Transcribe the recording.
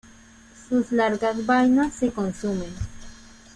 Sus largas vainas se consumen.